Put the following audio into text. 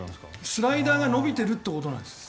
スライダーが伸びてるということです。